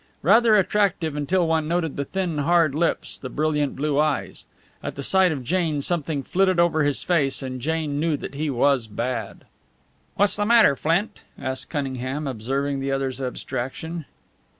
Rather attractive until one noted the thin, hard lips, the brilliant blue eyes. At the sight of Jane something flitted over his face, and Jane knew that he was bad. "What's the matter, Flint?" asked Cunningham, observing the other's abstraction.